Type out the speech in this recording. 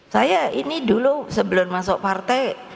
saya ini dulu sebelum masuk partai